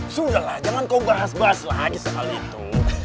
sudahlah jangan kau bahas bahas lagi soal itu